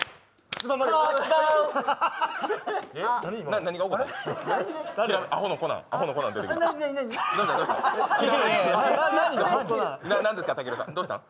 何が起こったの？